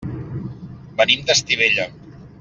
Venim d'Estivella.